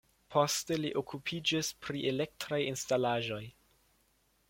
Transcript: Poste li okupiĝis pri elektraj instalaĵoj.